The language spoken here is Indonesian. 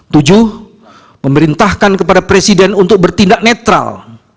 tujuh memerintahkan kepada presiden untuk bertindak netral